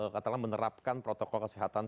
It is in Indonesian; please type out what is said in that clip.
katakanlah menerapkan protokol kesehatan